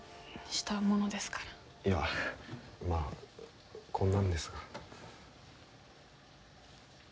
いやまあこんなんですが。